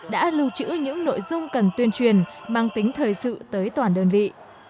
đã lưu trữ những nội dung cần tuyên truyền mang tính thời sự tới toàn đơn vị